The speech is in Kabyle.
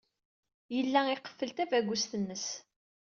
Yella iqeffel tabagust-nnes.